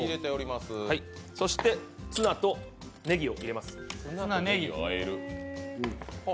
そして、ツナとネギを入れます。